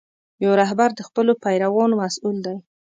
یو رهبر د خپلو پیروانو مسؤل دی.